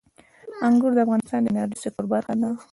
انګور د افغانستان د انرژۍ د سکتور برخه ده.